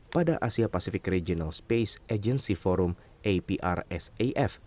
pada asia pacific regional space agency forum aprsaf